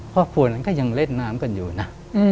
ครอบครัวนั้นก็ยังเล่นน้ำกันอยู่นะ